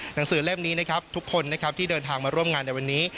หนังสือเล่มนี้นะครับทุกคนนะครับที่เดินทางมาร่วมงานในวันนี้